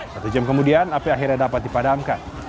satu jam kemudian api akhirnya dapat dipadamkan